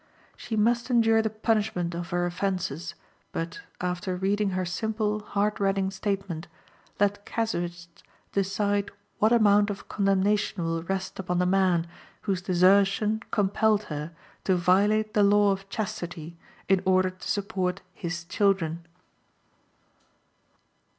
She must endure the punishment of her offenses, but, after reading her simple, heart rending statement, let casuists decide what amount of condemnation will rest upon the man whose desertion compelled her to violate the law of chastity in order to support his children.